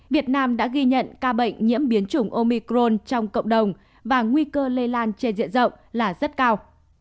việt nam đã ghi nhận ca bệnh nhiễm biến chủng omicron trong cộng đồng và nguy cơ lây lan trên diện rộng là rất cao